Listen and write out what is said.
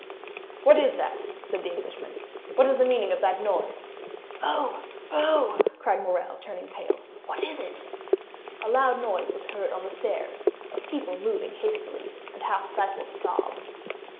"What is that?" said the Englishman. "What is the meaning of that noise?" "Oh, my God!" cried Morrel, turning pale, "what is it?" A loud noise was heard on the stairs of people moving hastily, and half stifled sobs.